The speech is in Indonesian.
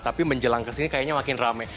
tapi menjelang ke sini kayaknya makin ramai